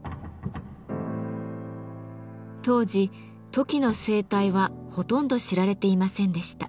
当時トキの生態はほとんど知られていませんでした。